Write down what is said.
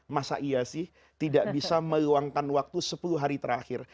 masa iya sih tidak bisa meluangkan waktu sepuluh hari terakhir